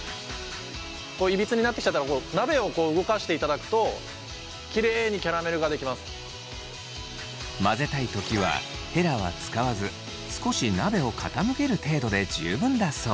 いびつになってきちゃったら混ぜたい時はヘラは使わず少し鍋を傾ける程度で十分だそう。